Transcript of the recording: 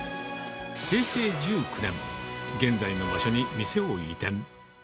平成１９年、現在の場所に店を移転。